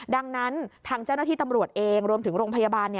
ดังนั้นทางเจ้าหน้าที่ตำรวจเองรวมถึงโรงพยาบาล